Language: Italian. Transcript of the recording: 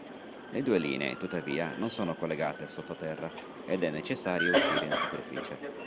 Le due linee tuttavia non sono collegate sottoterra, ed è necessario uscire in superficie.